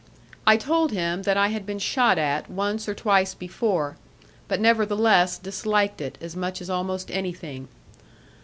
I told him that I had been shot at, once or twice before; but nevertheless disliked it, as much as almost anything.